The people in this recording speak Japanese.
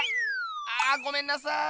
あごめんなさい。